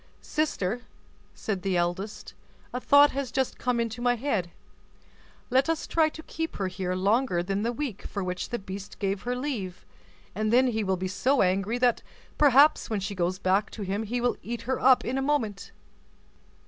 "Sister!" said the eldest, "a thought has just come into my head; let us try to keep her here longer than the week for which the beast gave her leave; and then he will be so angry that perhaps when she goes back to him he will eat her up in a moment."